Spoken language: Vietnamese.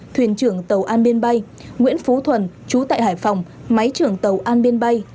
thuyền trưởng tàu an biên bay nguyễn phú thuần chú tại hải phòng máy trưởng tàu an biên bay